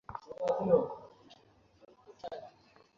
সেই সূত্রে বলছি, আমরা নারীরা নামহীন, মর্যাদাহীন মহাপরিচালক হতে চাই না।